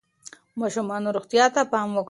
د ماشومانو روغتیا ته پام وکړئ.